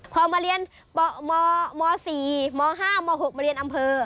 พอมาเรียนม๔ม๕ม๖มาเรียนอำเภอ